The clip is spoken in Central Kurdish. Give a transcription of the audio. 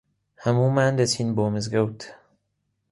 هەموومان دەچین بۆ مزگەوت.